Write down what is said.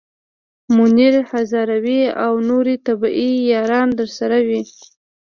منیر هزاروی او نورې طبې یاران درسره وي.